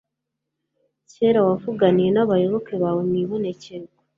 Kera wavuganiye n’abayoboke bawe mu ibonekerwa